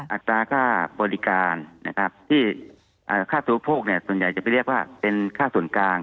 อัตราค่าบริการนะครับที่ค่าตัวโภคส่วนใหญ่จะไปเรียกว่าเป็นค่าส่วนกลาง